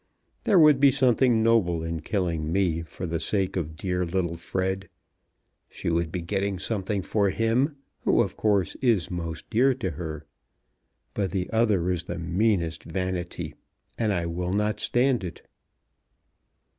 There would be something noble in killing me for the sake of dear little Fred. She would be getting something for him who, of course, is most dear to her. But the other is the meanest vanity; and I will not stand it."